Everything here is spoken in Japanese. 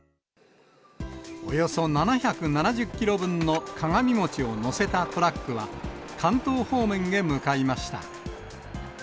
およそ７７０キロ分の鏡餅を載せたトラックは、関東方面へ向かいました。